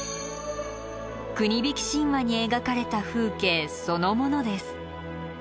国引き神話に描かれた風景そのものです